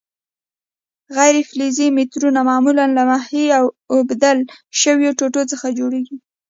غیر فلزي مترونه معمولاً له محې او بدل شویو ټوټو څخه جوړیږي.